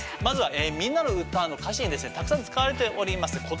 まずは「みんなのうた」の歌詞にですねたくさん使われております